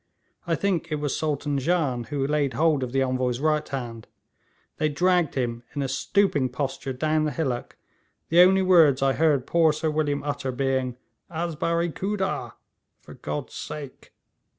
I think it was Sultan Jan who laid hold of the Envoy's right hand. They dragged him in a stooping posture down the hillock, the only words I heard poor Sir William utter being, "Az barae Khooda" ("For God's sake").